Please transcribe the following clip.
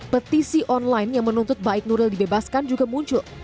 petisi online yang menuntut baik nuril dibebaskan juga muncul